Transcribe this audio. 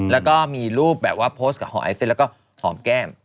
แล้วก็มีรูปแบบว่าโพสต์กับห่อไอซิสแล้วก็หอมแก้ม